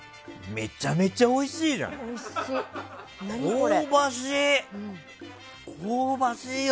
めちゃめちゃおいしいじゃん。香ばしいよ！